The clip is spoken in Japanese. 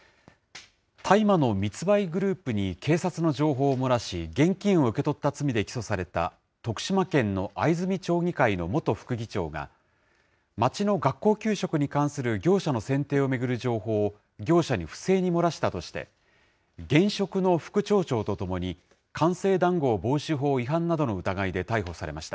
大麻の密売グループに警察の情報を漏らし、現金を受け取った罪で起訴された、徳島県の藍住町議会の元副議長が、町の学校給食に関する業者の選定を巡る情報を業者に不正に漏らしたとして、現職の副町長とともに、官製談合防止法違反などの疑いで逮捕されました。